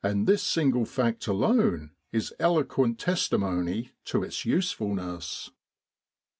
in Egypt this single fact alone is eloquent testimony to its usefulness.